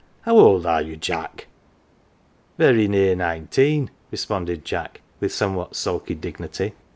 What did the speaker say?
How old are you, Jack ?"" Very near nineteen," responded Jack with somewhat sulky dignity.